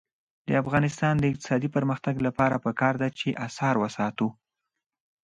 د افغانستان د اقتصادي پرمختګ لپاره پکار ده چې اثار وساتو.